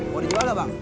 mau dijual gak bang